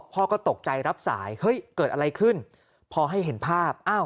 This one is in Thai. พ่อก็ตกใจรับสายเฮ้ยเกิดอะไรขึ้นพอให้เห็นภาพอ้าว